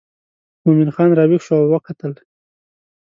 مومن خان راویښ شو او وکتل.